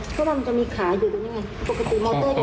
ใช่มันจะมีขาอยู่ตรงนี้ไง